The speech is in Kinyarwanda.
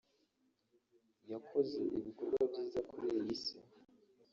yakoze ibikorwa byiza kuri iyi si